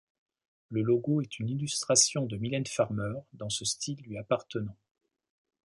Le logo est une illustration de Mylène Farmer dans ce style lui appartenant.